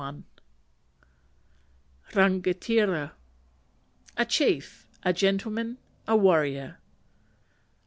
Rangatira A chief, a gentleman, a warrior.